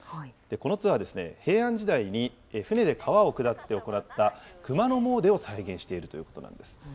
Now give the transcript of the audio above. このツアーは平安時代に舟で川を下って行った熊野詣でを再現しているということなんです。